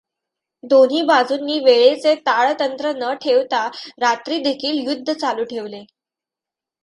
दोन्ही बाजूंनी वेळेचे ताळतंत्र न ठेवता रात्रीदेखील युद्ध चालू ठेवले.